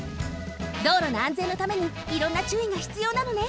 道路のあんぜんのためにいろんな注意がひつようなのね。